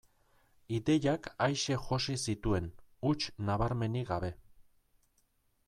Ideiak aise josi zituen, huts nabarmenik gabe.